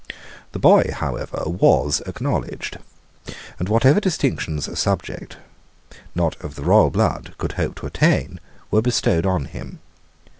The boy, however, was acknowledged; and whatever distinctions a subject, not of the royal blood, could hope to attain were bestowed on him.